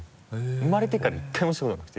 生まれてから１回もしたことがなくて。